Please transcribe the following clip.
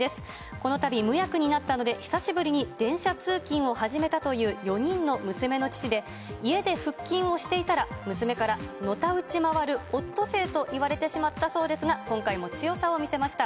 このたび無役になったので、久しぶりに電車通勤を始めたという４人の娘の父で、家で腹筋をしていたら、娘からのたうち回るオットセイと言われてしまったそうですが、今回も強さを見せました。